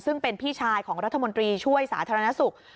ซึ่งเป็นพี่ชายของรัฐมนตรีช่วยสาธารณสุข